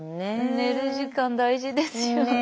寝る時間大事ですよね。